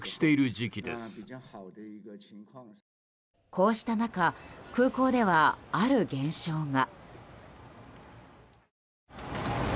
こうした中空港では、ある現象が。